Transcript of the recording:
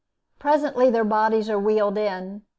Presently their bodies are wheeled in.